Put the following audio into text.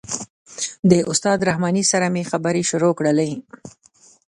د استاد رحماني سره مې خبرې شروع کړلې.